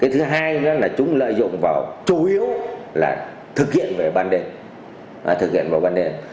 thứ hai chúng lợi dụng vào chủ yếu là thực hiện về ban đêm